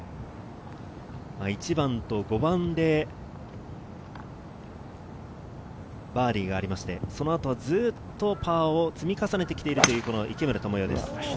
１番と５番で、バーディーがありまして、その後はずっとパーを積み重ねてきているという池村寛世です。